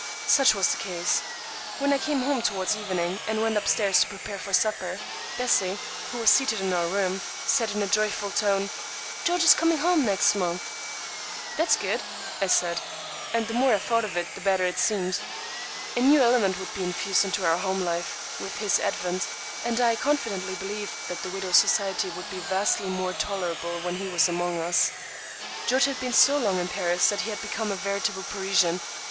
Such was the case. When I came home towards evening and went up stairs to prepare for supper, Bessie, who was seated in our room, said in a joyful tone,— "George is coming home next month!" "That's good," I said; and the more I thought of it the better it seemed. A new element would be infused into our home life with his advent, and I confidently believed that the widow's society would be vastly more tolerable when he was among us. George had been so long in Paris that he had become a veritable Parisian.